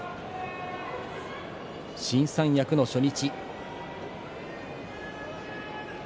新三役の初日。